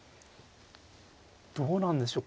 どうなんでしょう。